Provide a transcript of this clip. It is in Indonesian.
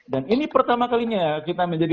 dan ini pertama kalinya ya kita menjadi